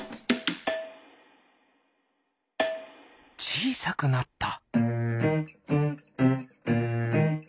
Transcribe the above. ちいさくなった。